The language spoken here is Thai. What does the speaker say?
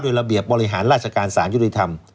ระเบียบบริหารราชการสารยุติธรรม